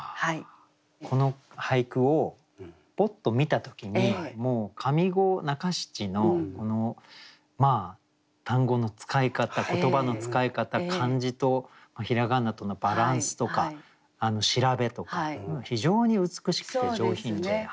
この俳句をポッと見た時にもう上五中七の単語の使い方言葉の使い方漢字と平仮名とのバランスとか調べとか非常に美しくて上品で。